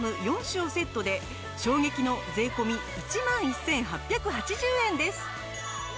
４種をセットで衝撃の税込１万１８８０円です。